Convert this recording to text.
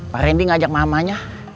pak randy ngajak mamanya